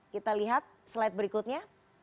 kita lihat slide berikutnya